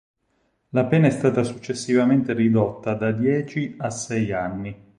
La pena è stata successivamente ridotta da dieci a sei anni.